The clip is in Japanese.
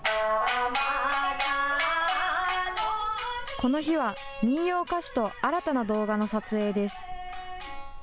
この日は、民謡歌手と新たな動画の撮影です。